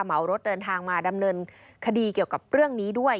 เหมารถเดินทางมาดำเนินคดีเกี่ยวกับเรื่องนี้ด้วย